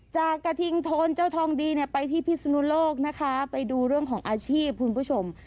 จากกระทิงโทนเจ้าทองดีเนี่ยไปที่พิศนุโลกนะคะไปดูเรื่องของอาชีพคุณผู้ชม